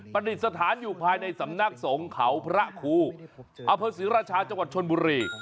ประดิษฐานอยู่ภายในสำนักสงเขาพระครูอภศิรชาจังหวัดชนบุรี